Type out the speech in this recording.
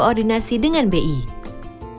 bagaimana cara bi menjaga kestabilan harga